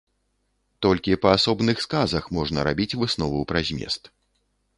Толькі па асобных сказах можна рабіць выснову пра змест.